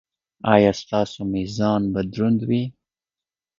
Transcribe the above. ایا ستاسو میزان به دروند وي؟